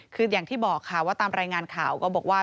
คืออย่างที่บอกค่ะว่าตามรายงานข่าวก็บอกว่า